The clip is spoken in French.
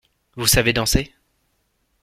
Vous savez danser?